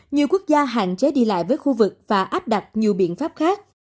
nhiều quốc gia hạn chế đi lại với khu vực và áp đặt nhiều biện pháp khác